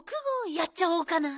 やっちゃおうかな。